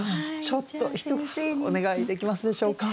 ちょっとひと節お願いできますでしょうか。